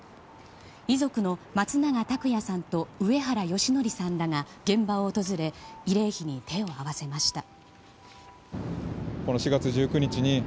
遺族の松永拓也さんと上原義教さんらが現場を訪れ慰霊碑に手を合わせました。